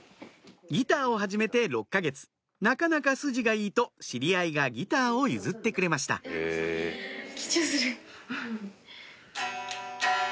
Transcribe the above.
ギターを始めて６か月なかなか筋がいいと知り合いがギターを譲ってくれました緊張する。